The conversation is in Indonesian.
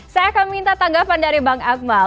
saya akan minta tanggapan dari bang akmal